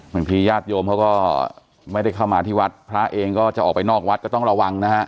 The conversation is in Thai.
ญาติโยมเขาก็ไม่ได้เข้ามาที่วัดพระเองก็จะออกไปนอกวัดก็ต้องระวังนะฮะ